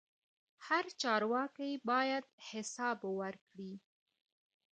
هر چارواکی باید حساب ورکړي